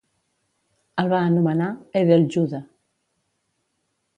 El va anomenar "Edeljude".